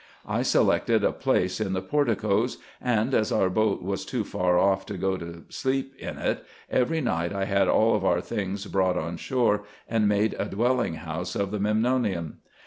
I selected a place in the por ticoes ; and, as our boat was too far off to go to sleep in it every night, I had all our things brought on shore, and made a dwelling house of the Memnonium.